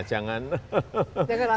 jangan sok bisau